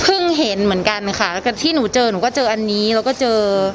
เห็นเหมือนกันค่ะที่หนูเจอหนูก็เจออันนี้แล้วก็เจอ